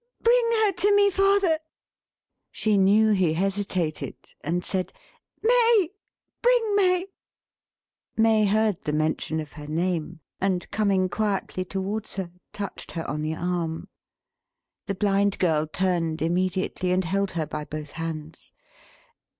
Bring her to me, father!" She knew he hesitated, and said, "May. Bring May!" May heard the mention of her name, and coming quietly towards her, touched her on the arm. The Blind Girl turned immediately, and held her by both hands.